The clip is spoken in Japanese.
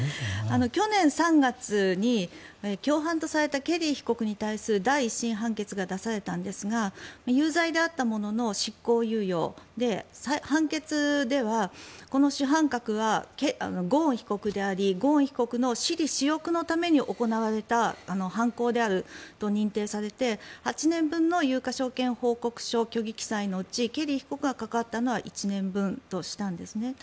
去年３月に共犯とされたケリー被告に対する第１審判決が出されたんですが有罪であったものの執行猶予で、判決ではこの主犯格はゴーン被告でありゴーン被告の私利私欲のために行われた犯行であると認定されて８年分の有価証券報告書虚偽記載のうちケリー被告が関わったのは１年分としたんですね。